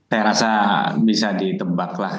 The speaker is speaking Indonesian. saya rasa bisa ditebak lah